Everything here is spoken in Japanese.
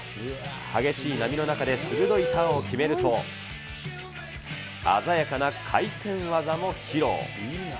激しい波の中で鋭いターンを決めると、鮮やかな回転技も披露。